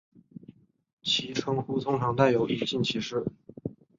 其称呼通常带有隐性歧视。